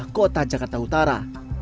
pemerintah kota jakarta utara